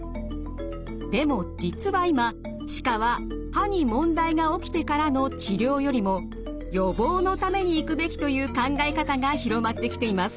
でも実は今歯科は歯に問題が起きてからの治療よりも予防のために行くべきという考え方が広まってきています。